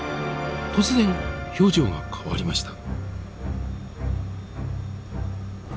突然表情が変わりました。